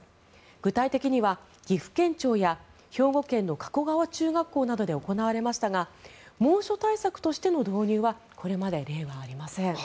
具体的には岐阜県庁や兵庫県の加古川中学校などで行われましたが猛暑対策としての導入はこれまで例はありません。